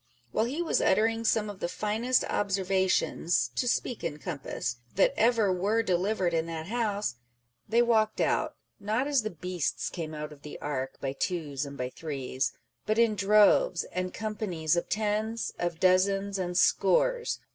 While he was uttering some of the finest observations (to speak in compass) that ever were delivered in that House, they walked out, not as the beasts came out of the ark, by twos and by threes, but in droves and companies of tens, of dozens, and scores